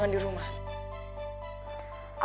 gak ada apa apa